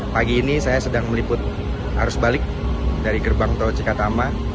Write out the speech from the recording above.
pagi ini saya sedang meliput arus balik dari gerbang tol cikatama